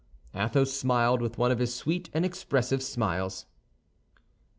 Athos smiled with one of his sweet and expressive smiles.